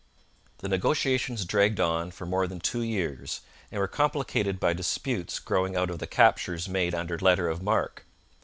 The negotiations dragged on for more than two years, and were complicated by disputes growing out of the captures made under letter of marque.